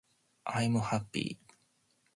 i'm happy